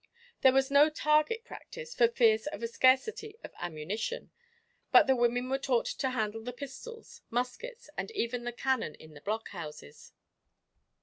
There was no target practice for fear of a scarcity of ammunition; but the women were taught to handle the pistols, muskets, and even the cannon in the blockhouses.